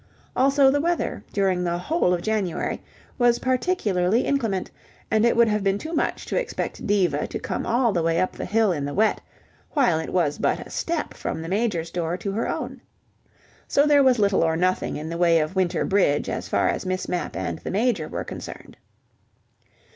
Also the weather, during the whole of January, was particularly inclement, and it would have been too much to expect of Diva to come all the way up the hill in the wet, while it was but a step from the Major's door to her own. So there was little or nothing in the way of winter bridge as far as Miss Mapp and the Major were concerned.